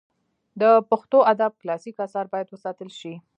د پښتو ادب کلاسیک آثار باید وساتل سي.